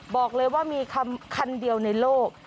บอกเลยว่ามีคำเดียวในโลก